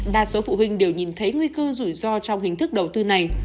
đa số phụ huynh đều nhìn thấy nguy cơ rủi ro trong hình thức đầu tư này